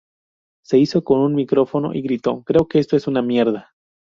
Se hizo con un micrófono y gritó "¡Creo que esto es una mierda!